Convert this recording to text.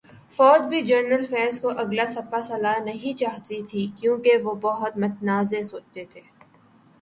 فوج بھی جنرل فیض کو اگلا سپاسالار نہیں چاہتی تھی، کیونکہ وہ بہت متنازع ہوچکے تھے۔۔